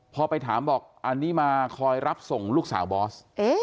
พอไปถามบอกอันนี้มาคอยรับส่งลูกสาวบอส